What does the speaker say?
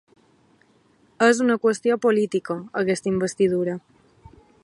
És una qüestió política, aquesta investidura.